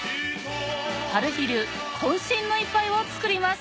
はるひ流渾身の一杯を作ります！